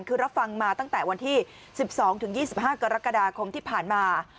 คือรับฟังมาตั้งแต่วันที่๑๒๒๕กรกฎาคมที่ผ่านมา